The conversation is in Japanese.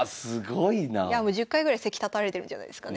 いやもう１０回ぐらい席立たれてるんじゃないですかね